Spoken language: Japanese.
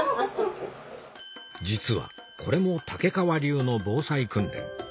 実はこれも竹川流の防災訓練